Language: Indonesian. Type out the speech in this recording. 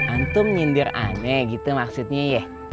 antum nyindir aneh gitu maksudnya ya